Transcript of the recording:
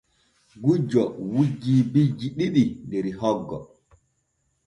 Gujjo wujji bijji ɗiɗi der hoggo.